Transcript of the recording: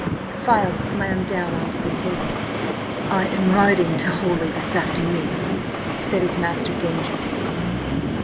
The file slammed down on to the table. "I am riding to Horley this afternoon!" said his master dangerously.